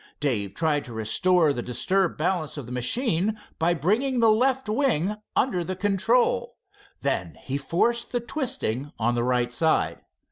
Dave tried to restore the disturbed balance of the machine by bringing the left wing under the control. Then he forced the twisting on the right side.